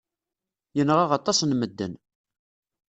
Yenɣa aṭas n medden.